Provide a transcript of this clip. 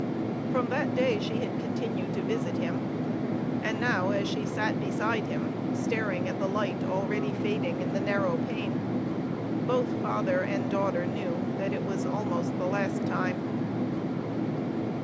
From that day she had continued to visit him; and now as she sat beside him, staring at the light already fading in the narrow pane, both father and daughter knew that it was almost the last time.